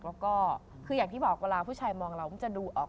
แล้วก็คืออย่างที่บอกเวลาผู้ชายมองเราเพิ่งจะดูออก